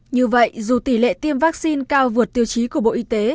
như vậy dù tỷ lệ tiêm vaccine cao vượt tiêu chí của bộ y tế